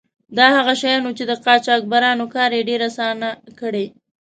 دا هغه شیان وو چې د قاچاقبرانو کار یې ډیر آسانه کړی و.